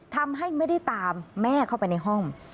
ทำให้ไม่ได้ตามแม่เข้าไปในห้อง